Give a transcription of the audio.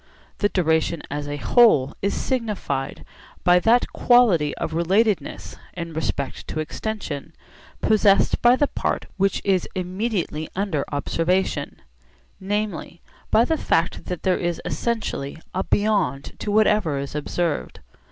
The duration as a whole is signified by that quality of relatedness (in respect to extension) possessed by the part which is immediately under observation; namely, by the fact that there is essentially a beyond to whatever is observed.